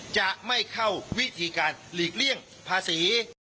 จะไม่เข้าวิธีการหลีกเลี่ยงภาษี